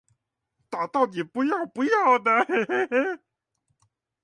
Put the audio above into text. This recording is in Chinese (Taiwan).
打到你不要不要的